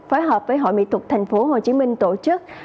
phối hợp với hội mỹ thuật tp hcm tổ chức